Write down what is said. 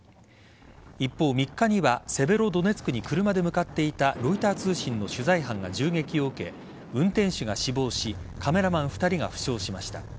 一方、３日にはセベロドネツクに車で向かっていたロイター通信の取材班が銃撃を受け運転手が死亡しカメラマン２人が負傷しました。